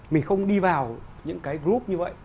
mình không đi vào những cái group như vậy